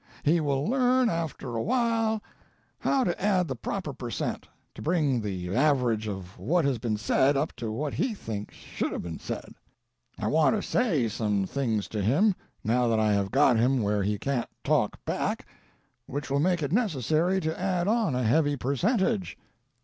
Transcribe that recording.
He will learn after a while how to add the proper per cent to bring the average of what has been said up to what he thinks should have been said. I want to say some things to him, now that I have got him where he can't talk back, which will make it necessary to add on a heavy percentage.